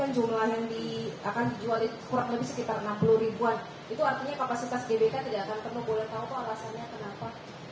boleh tahu pak alasannya kenapa